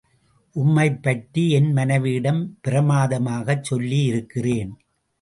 உம்மைப் பற்றி என் மனைவியிடம் பிரமாதமாகச் சொல்லியிருக்கிறேன்.